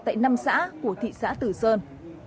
tại năm xã của thị xã tử sơn